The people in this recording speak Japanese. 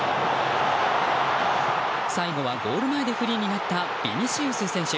最後はゴール前でフリーになったヴィニシウス選手。